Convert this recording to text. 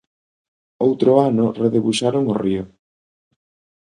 Outro ano redebuxaron o río.